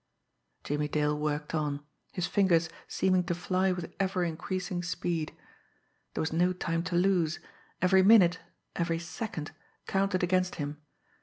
Jimmie Dale worked on his fingers seeming to fly with ever increasing speed. There was no time to lose; every minute, every second, counted against him.